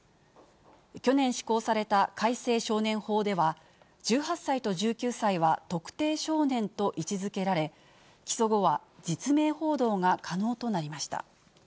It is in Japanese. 去年施行された改正少年法では、１８歳と１９歳は特定少年と位置づけられ、起訴後は実名報道が可能となりました。